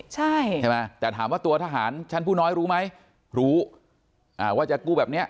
ใช่ไหมแต่ถามว่าตัวทหารชั้นผู้น้อยรู้ไหมรู้อ่าว่าจะกู้แบบเนี้ย